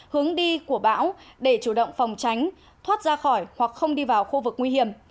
hướng đi của bão để chủ động phòng tránh thoát ra khỏi hoặc không đi vào khu vực nguy hiểm